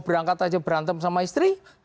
berangkat aja berantem sama istri